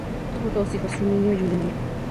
Tuvo dos hijos, un niño y una niña.